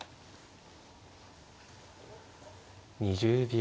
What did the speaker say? ２０秒。